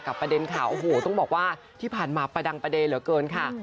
ประเด็นข่าวโอ้โหต้องบอกว่าที่ผ่านมาประดังประเด็นเหลือเกินค่ะ